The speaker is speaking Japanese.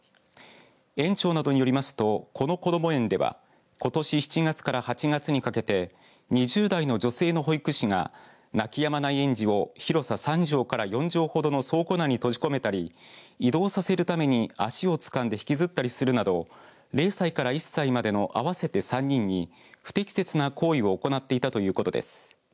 園長などによりますとこの子ども園ではことし７月から８月にかけて２０代の女性の保育士が泣きやまない園児を広さ３畳から４畳ほどの倉庫内に閉じ込めたり移動させるために足をつかんで引きずったりするなど０歳から１歳までの合わせて３人に不適切な行為を行っていたということです。